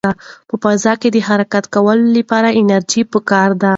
په فضا کې د حرکت کولو لپاره انرژي پکار ده.